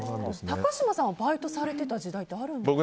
高嶋さんはバイトされていた時代ってあるんですか？